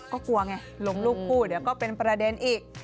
ก็กลัวไงลงรูปคู่เดี๋ยวก็เป็นประเด็นอีก